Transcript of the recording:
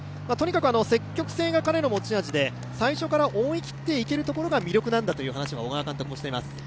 積極性が彼の持ち味で、最初から思い切っていけるところが魅力なんだという話を小川監督もしています。